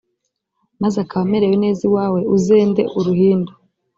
maze akaba amerewe neza iwawe, uzende uruhindu,